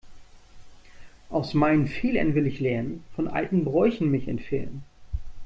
Aus meinen Fehlern will ich lernen, von alten Bräuchen mich entfernen.